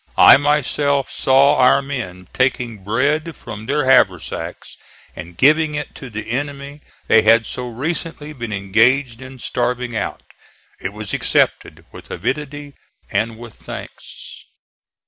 I myself saw our men taking bread from their haversacks and giving it to the enemy they had so recently been engaged in starving out. It was accepted with avidity and with thanks.